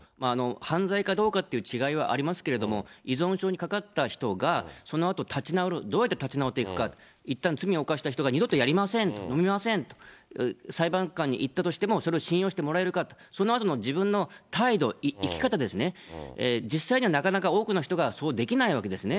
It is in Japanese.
犯罪かどうかっていう違いはありますけれども、依存症にかかった人が、そのあと立ち直る、どうやって立ち直っていくか、いったん罪を犯した人が二度とやりませんと、飲みませんと、裁判官に言ったとしても、それを信用してもらえるかと、そのあとの自分の態度、生き方ですね、実際にはなかなか多くの人がそうできないわけですね。